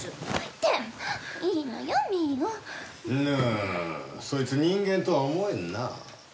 ぬそいつ人間とは思えんな。